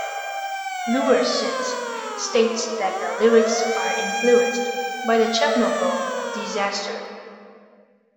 Luerssen states that the lyrics are influenced by the Chernobyl disaster.